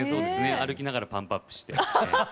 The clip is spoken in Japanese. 歩きながらパンプアップして。